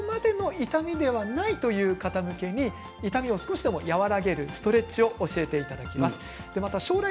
ここからはそこまでの痛みではないという方向けに痛みを少しでも和らげるストレッチを教えていただきます。